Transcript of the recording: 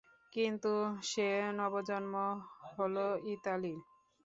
কিন্তু সে নবজন্ম হল ইতালীর।